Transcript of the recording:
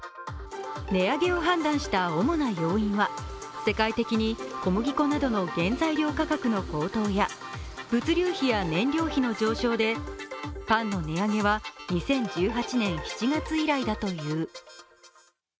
値上げを判断した主な要因は、世界的に小麦粉などの原材料価格の高騰や物流費や燃料費の上昇でパンの値上げは２０１８年７月以来だという。